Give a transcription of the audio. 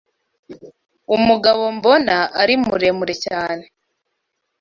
Umugabo mbona ari muremure cyane.